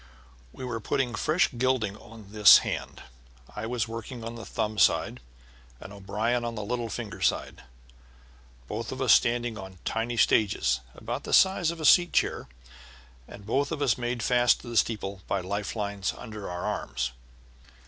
We were putting fresh gilding on this hand. I was working on the thumb side and O'Brien on the little finger side, both of us standing on tiny stagings about the size of a chair seat, and both of us made fast to the steeple by life lines under our arms.